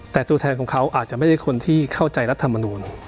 แต่ตัวแทนของเขาอาจจะไม่ใช่คนที่เข้าใจรัฐมนูล